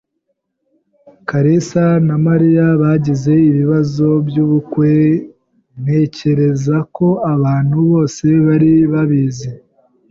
kalisa na Mariya bagize ibibazo byubukwe. Ntekereza ko abantu bose bari babizi.